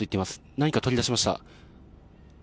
何か取り出しました。